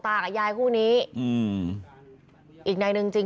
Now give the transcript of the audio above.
แต่ว่าอยู่ประดานนั้น